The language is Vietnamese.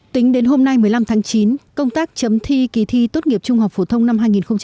tính đến hôm nay một mươi năm tháng chín công tác chấm thi kỳ thi tốt nghiệp trung học phổ thông năm hai nghìn hai mươi